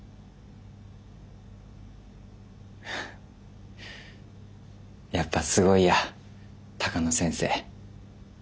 フッやっぱすごいや鷹野先生。